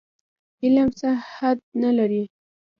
علم هېڅ حد نه لري.